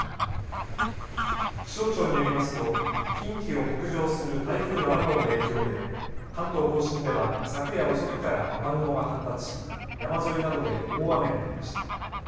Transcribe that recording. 気象庁によりますと近畿を北上する台風７号の影響で関東甲信では昨夜遅くから雨雲が発達し山沿いなどで大雨になりました。